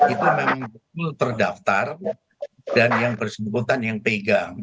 itu memang betul terdaftar dan yang bersangkutan yang pegang